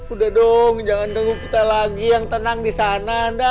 udah dong jangan nunggu kita lagi yang tenang di sana dah